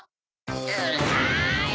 うるさい！